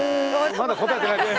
まだ答えてないです。